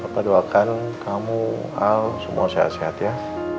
papa doakan kamu al semua sehat sehat ya